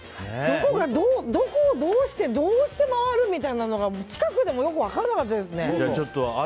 どこをどうしてどうして回る？みたいなのが近くでもよく分からなかったですね。